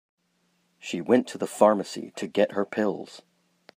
She went to the pharmacy to get her pills.